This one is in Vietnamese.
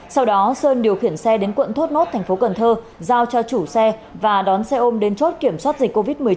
sau đó sơn điều khiển xe đến quận thốt nốt tp cn giao cho chủ xe và đón xe ôm đến chốt kiểm soát dịch covid một mươi chín